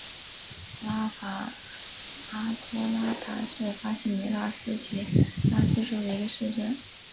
拉戈阿多拉达是巴西米纳斯吉拉斯州的一个市镇。